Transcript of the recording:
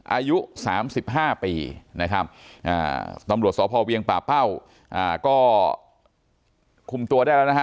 อายุ๓๕ปีตำรวจศพเวียงป่าเป้าก็คุมตัวได้แล้ว